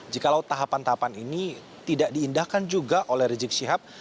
jikalau tahapan tahapan ini tidak diindahkan juga oleh rizik syihab